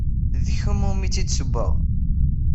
D kemm umi t-id-ssewweɣ.